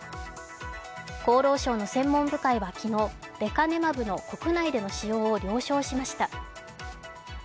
厚労省の専門部会は昨日、レカネマブの国内での使用を了承しました。